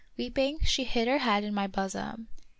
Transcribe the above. Weeping, she hid her head in my bosom.